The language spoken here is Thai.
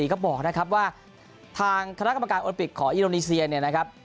ก็บอกนะครับว่าทางคณะกรรมการโอลิปิกของอินโดนีเซียเนี่ยนะครับ